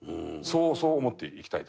そう思って生きたいです。